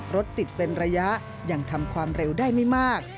รถติดเป็นระยะยังทำความเร็วได้ไม่มาก